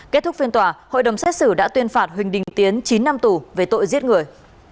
kết thúc phiên tòa hội đồng xét xử đã tuyên phạt huỳnh đình tiến chín năm tù về tội giết người